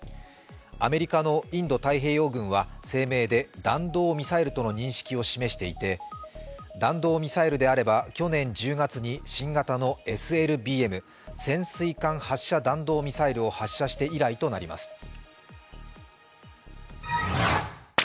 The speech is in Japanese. アメリカのインド太平洋軍は声明で弾道ミサイルとの認識を示していて弾道ミサイルであれは去年１０月に新型のＳＬＢＭ＝潜水艦発射弾道ミサイルを発射して以来となります。